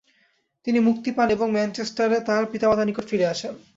তিনি মুক্তি পান এবং ম্যানচেস্টারে তার পিতামাতার নিকট ফিরে আসেন।